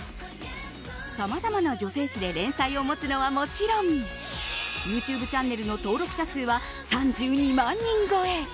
さまざまな女性誌で連載を持つのはもちろんＹｏｕＴｕｂｅチャンネルの登録者数は３２万人超え。